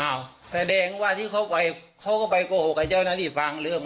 แสดงว่าที่เขาไปเขาก็ไปโกหกกับเจ้าหน้าที่ฟังเรื่อง